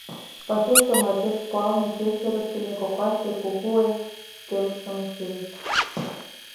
Пасушто мардеж пуалме, кече ырыктыме коклаште кугу ойыртемышым шижыт.